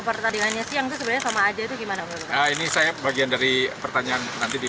pertandingannya siang itu sebenarnya sama aja itu gimana ini saya bagian dari pertanyaan nanti di